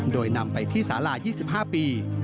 โดยนำไปที่สาลา๒๕ปี